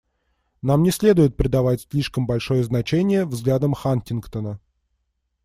Нам не следует придавать слишком большое значение взглядам Хантингтона.